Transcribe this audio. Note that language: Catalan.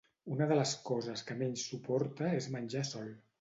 Una de les coses que menys suporta és menjar sol.